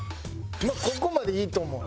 まあここまでいいと思うわ。